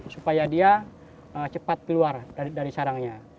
supaya dia cepat keluar dari sarangnya